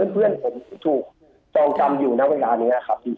เพื่อนของผมถูกจองคำอยู่ในเวลานี้